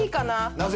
なぜ？